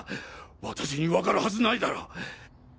私にわかるはずないだろう！